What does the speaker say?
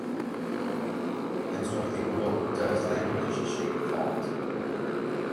En su artículo "Does Language Shape Thought?